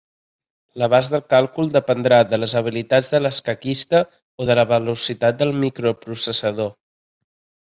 L'abast del càlcul dependrà de les habilitats de l'escaquista o de la velocitat del microprocessador.